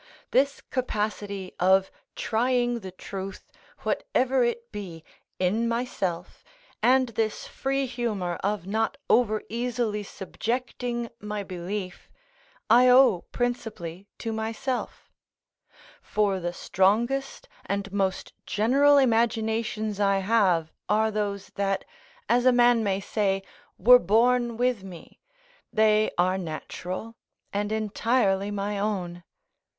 This capacity of trying the truth, whatever it be, in myself, and this free humour of not over easily subjecting my belief, I owe principally to myself; for the strongest and most general imaginations I have are those that, as a man may say, were born with me; they are natural and entirely my own.